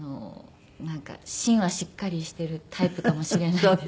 芯はしっかりしているタイプかもしれないです。